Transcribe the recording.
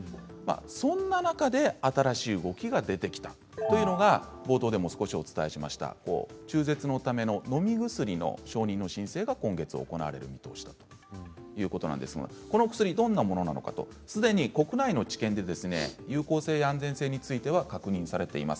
そんな中で新しい動きが出てきたというのは冒頭でも少しお伝えしました中絶のためののみ薬の承認の申請が今月、行われる見通しということなんですがこの薬どんなものなのかすでに国内の治験で有効性や安全性については確認されています。